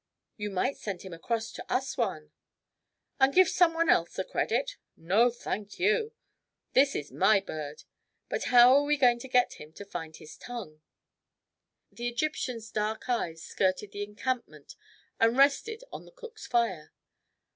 "You might send him across to Assouan." "And give some one else the credit? No, thank you. This is my bird. But how are we going to get him to find his tongue?" The Egyptian's dark eyes skirted the encampment and rested on the cook's fire.